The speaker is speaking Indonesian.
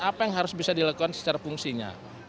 apa yang harus bisa dilakukan secara fungsinya